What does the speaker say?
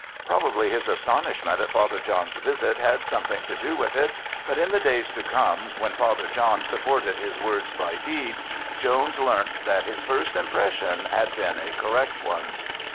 Probably his astonishment at Father John's visit had something to do with it, but in the days to come, when Father John supported his words by deeds, Jones learnt that his first impression had been a correct one.